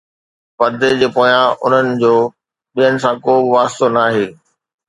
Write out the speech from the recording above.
پردي جي پويان، انهن جو ٻين سان ڪو به واسطو ناهي